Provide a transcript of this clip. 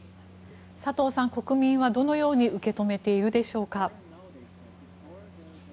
佐藤さん、国民はどのように受け止めているでしょうか。